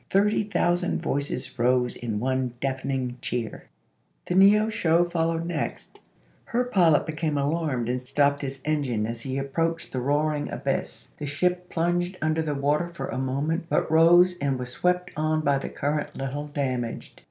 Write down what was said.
Thirty thousand voices rose in one deafening cheer." The Neosho followed next; her pilot became alarmed and stopped his engine as he approached I OLUSTEE AND THE RED RIVER 301 the roaring abyss; the ship plunged under the chap.xi. water for a moment, but rose and was swept on by the current little damaged.